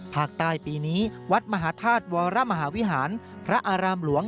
ภาคใต้ปีนี้วัดมหาธาตุวรมหาวิหารพระอารามหลวง